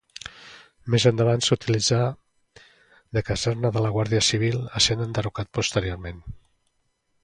Més endavant s'utilitzà de caserna de la Guàrdia Civil, essent enderrocat posteriorment.